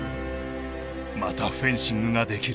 「またフェンシングができる！」。